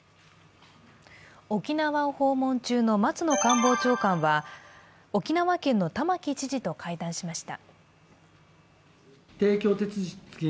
沖縄を訪問中の松野官房長官は、沖縄県の玉城知事と会談しました。